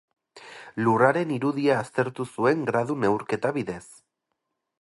Lurraren irudia aztertu zuen gradu neurketa bidez.